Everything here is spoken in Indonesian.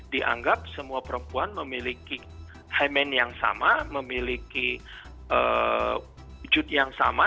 dianggap semua perempuan memiliki highman yang sama memiliki wujud yang sama